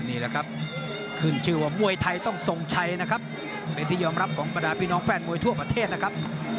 นี่แหละครับขึ้นชื่อว่ามวยไทยต้องทรงชัยนะครับเป็นที่ยอมรับของบรรดาพี่น้องแฟนมวยทั่วประเทศนะครับ